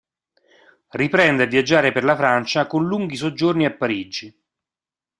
Riprende a viaggiare per la Francia con lunghi soggiorni a Parigi.